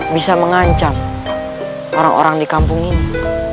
bisa mengancam orang orang di kampung ini